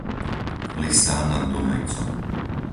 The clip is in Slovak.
Lysá nad Dunajcom